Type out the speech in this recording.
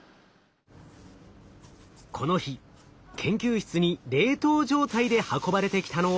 この日研究室に冷凍状態で運ばれてきたのは。